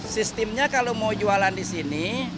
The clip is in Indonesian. sistemnya kalau mau jualan disini